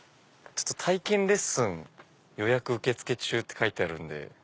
「体験レッスン予約受付中」って書いてあるんで。